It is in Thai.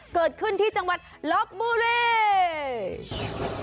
เกิดขึ้นที่จังหวัดลบบุรี